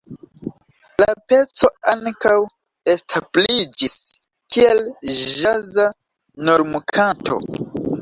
La peco ankaŭ establiĝis kiel ĵaza normkanto.